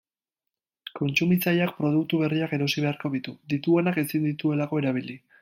Kontsumitzaileak produktu berriak erosi beharko ditu, dituenak ezin dituelako erabili.